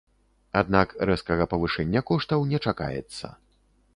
Аднак рэзкага павышэння коштаў не чакаецца.